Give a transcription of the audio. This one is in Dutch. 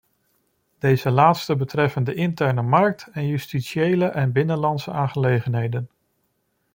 Deze laatste betreffen de interne markt en justitiële en binnenlandse aangelegenheden.